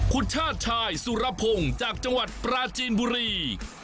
คุณชาติชายสุรพงศ์จากจังหวัดปราจีนบุรี